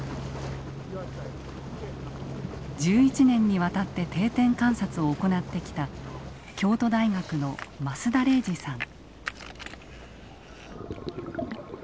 １１年にわたって定点観察を行ってきた京都大学の益田玲爾さん。